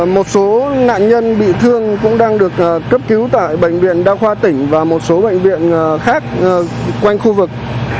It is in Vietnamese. một số nạn nhân bị thương cũng đang được cấp cứu tại bệnh viện đa khoa tỉnh và một số bệnh viện khác quanh khu vực